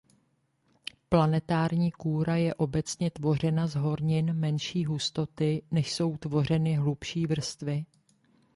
Planetární kůra je obecně tvořena z hornin menší hustoty než jsou tvořeny hlubší vrstvy.